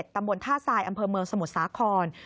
ตำบลท่าทรายอำเภอเมืองสมุทรสาคร